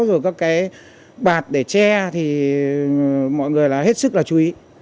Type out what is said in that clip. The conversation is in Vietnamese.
rồi các cái bạt để che thì mọi người là hết sức là chú ý